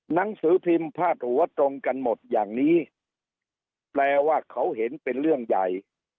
หนังสือพิมพ์พาดหัวตรงกันหมดอย่างนี้แปลว่าเขาเห็นเป็นเรื่องใหญ่